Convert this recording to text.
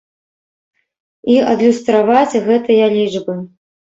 І адлюстраваць гэтыя лічбы.